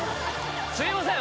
すいません